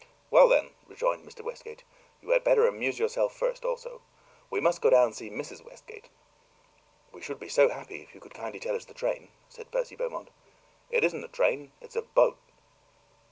"Well, then," rejoined Mr. Westgate, "you had better amuse yourself first, also. You must go down and see Mrs. Westgate." "We should be so happy, if you would kindly tell us the train," said Percy Beaumont. "It isn't a train it's a boat."